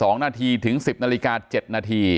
๙น๒๒นถึง๑๐น๗น